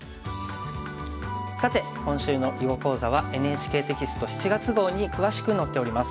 さて今週の囲碁講座はＮＨＫテキスト７月号に詳しく載っております。